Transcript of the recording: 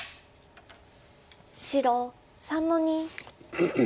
白３の二。